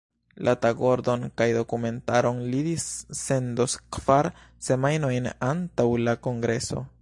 La tagordon kaj dokumentaron li dissendos kvar semajnojn antaŭ la kongreso.